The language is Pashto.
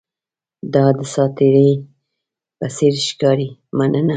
دا د ساتیرۍ په څیر ښکاري، مننه!